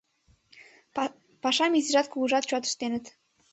Пашам изижат, кугужат чот ыштеныт.